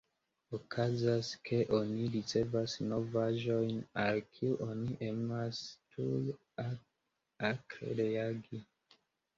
Okazas, ke oni ricevas novaĵon, al kiu oni emas tuj akre reagi.